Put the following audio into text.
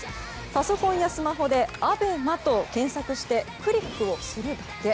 パソコンやスマホで「アベマ」と検索してクリックをするだけ。